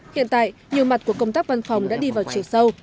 hiện tại nhiều mặt của công tác văn phòng đã đi vào chiều sâu